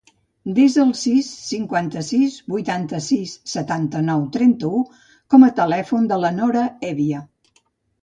Desa el sis, cinquanta-sis, vuitanta-sis, setanta-nou, trenta-u com a telèfon de la Nora Hevia.